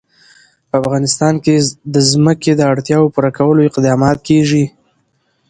په افغانستان کې د ځمکه د اړتیاوو پوره کولو اقدامات کېږي.